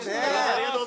ありがとう！